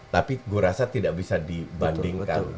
tapi gue rasa tidak bisa dibandingkan